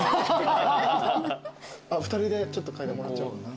２人でちょっと嗅いでもらっちゃおうかな。